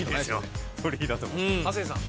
亜生さん。